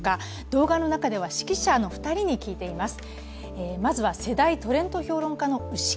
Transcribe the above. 動画の中では、識者の２人に聞いています。